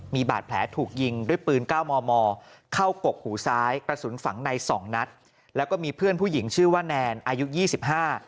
มีบาดแผลถูกยิงด้วยปืนเก้ามอมอเข้ากกหูซ้ายกระสุนฝังในสองนัดแล้วก็มีเพื่อนผู้หญิงชื่อว่าแนนอายุยี่สิบห้า